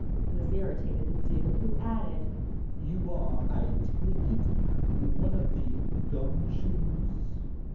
This irritated the Duke, who added: "You are, I take it, one of the 'gum shoes'?"